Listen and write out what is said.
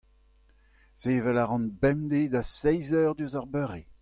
sevel a ran bemdez da seizh eur diouzh ar beure.